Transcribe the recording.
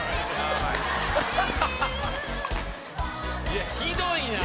「いやひどいな！」